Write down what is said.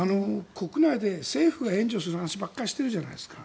国内で政府が援助する話ばかりしてるじゃないですか。